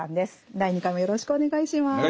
第２回もよろしくお願いします。